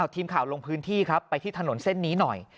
ทีมข่าวลงพื้นที่ครับไปที่ถนนเส้นนี้หน่อย